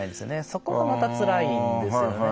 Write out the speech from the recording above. そこが、またつらいんですよね。